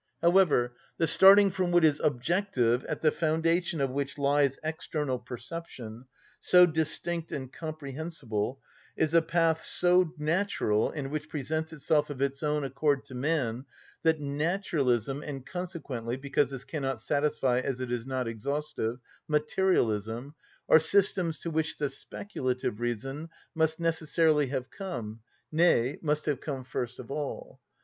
However, the starting from what is objective, at the foundation of which lies external perception, so distinct and comprehensible, is a path so natural and which presents itself of its own accord to man, that naturalism, and consequently, because this cannot satisfy as it is not exhaustive, materialism, are systems to which the speculative reason must necessarily have come, nay, must have come first of all.